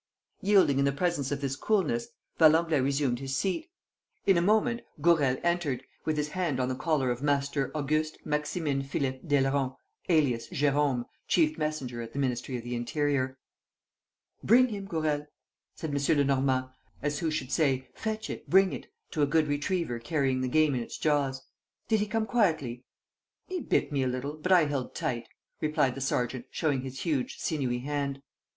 ..." Yielding in the presence of this coolness, Valenglay resumed his seat. In a moment, Gourel entered, with his hand on the collar of Master Auguste Maximin Philippe Daileron, alias Jérôme, chief messenger at the Ministry of the Interior. "Bring him, Gourel!" said M. Lenormand, as who should say, "Fetch it! Bring it!" to a good retriever carrying the game in its jaws. "Did he come quietly?" "He bit me a little, but I held tight," replied the sergeant, showing his huge, sinewy hand.